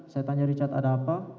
saya tanya richard ada apa